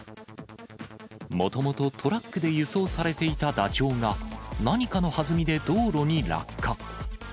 もともとトラックで輸送されていたダチョウが、何かのはずみで道路に落下。